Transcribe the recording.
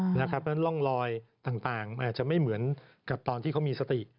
เพราะฉะนั้นร่องรอยต่างอาจจะไม่เหมือนกับตอนที่เขามีสติ